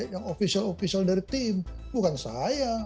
yang official official dari tim bukan saya